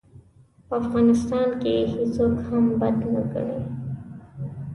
په افغانستان کې هېڅوک هم بد نه ګڼي.